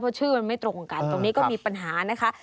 เพราะชื่อมันไม่ตรงกันตรงนี้ก็มีปัญหานะคะ